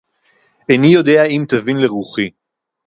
אֵינִי יוֹדֵעַ אִם תָּבִין לְרוּחִי